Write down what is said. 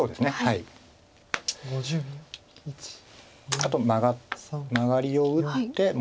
あとマガリを打って戻るか。